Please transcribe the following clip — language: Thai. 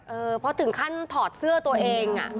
เพราะถึงขั้นถอดเสื้อตัวเอง